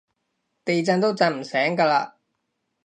地震都震唔醒㗎喇